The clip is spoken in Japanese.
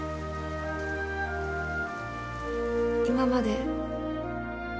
今まで